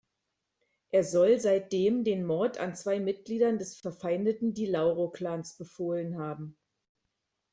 Er soll seitdem den Mord an zwei Mitgliedern des verfeindeten Di Lauro-Clans befohlen haben.